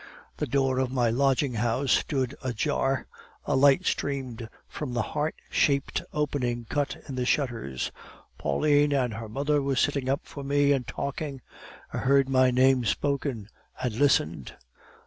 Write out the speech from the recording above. The door of my lodging house stood ajar. A light streamed from the heart shaped opening cut in the shutters. Pauline and her mother were sitting up for me and talking. I heard my name spoken, and listened.